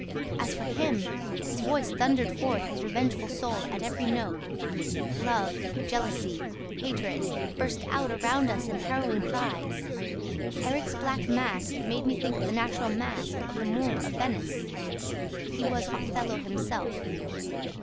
As for him, his voice thundered forth his revengeful soul at every note. Love, jealousy, hatred, burst out around us in harrowing cries. Erik's black mask made me think of the natural mask of the Moor of Venice. He was Othello himself.